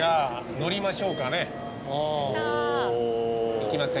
行きますか。